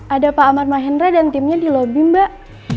ada pak amar mahendra dan timnya di lobby mbak